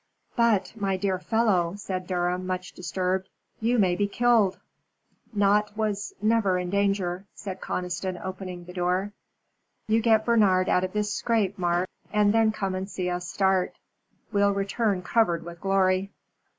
"But, my dear fellow," said Durham, much disturbed, "you may be killed." "'Naught was never in danger,'" said Conniston, opening the door. "You get Bernard out of this scrape, Mark, and then come and see us start. We'll return covered with glory."